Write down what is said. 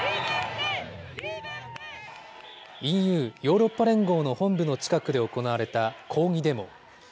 ＥＵ・ヨーロッパ連合の本部の近くで行われた抗議デモ。